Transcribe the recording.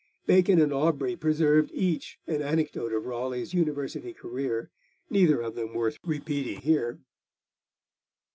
Bacon and Aubrey preserved each an anecdote of Raleigh's university career, neither of them worth repeating here.